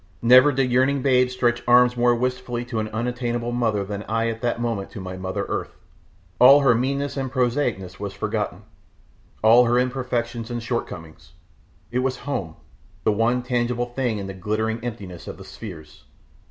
Never did yearning babe stretch arms more wistfully to an unattainable mother than I at that moment to my mother earth. All her meanness and prosaicness was forgotten, all her imperfections and shortcomings; it was home, the one tangible thing in the glittering emptiness of the spheres.